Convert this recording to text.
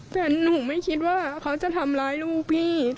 แต่หนูไม่คิดว่าเขาจะทำร้ายลูกพี่